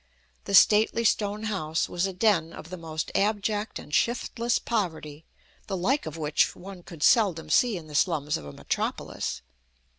The stately stone house was a den of the most abject and shiftless poverty, the like of which one could seldom see in the slums of a metropolis.